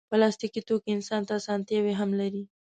پلاستيکي توکي انسان ته اسانتیا هم لري.